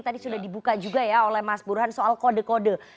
tadi sudah dibuka juga ya oleh mas burhan soal kode kode